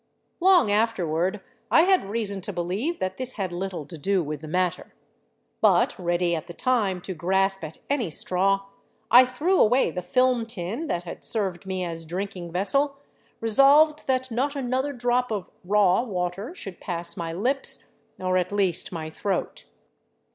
Long afterward I had reason to believe that this had little to do with the matter. But ready at the time to grasp at any straw, I threw away the film tin that had served me as drinking vessel, resolved that not another drop of " raw '^ water should pass my lips — or at least my throat.